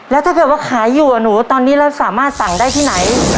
แล้วถ้าเกิดว่าขายอยู่กับหนูตอนนี้เราสามารถสั่งได้ที่ไหน